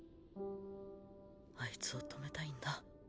あいつを止めたいんだ。